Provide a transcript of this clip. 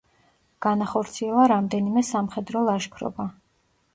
განახორციელა რამდენიმე სამხედრო ლაშქრობა.